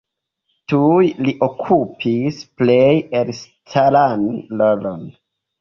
Tuj li okupis plej elstaran rolon.